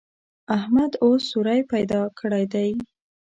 احمد اوس سوری پیدا کړی دی.